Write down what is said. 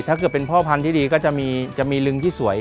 ถ้าเกิดเป็นพ่อพันธุ์ที่ดีก็จะมีลึงที่สวย